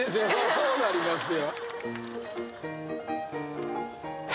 そうなりますよ